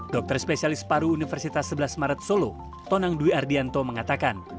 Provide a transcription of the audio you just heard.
dokter spesialis paru universitas sebelas maret solo tonang dwi ardianto mengatakan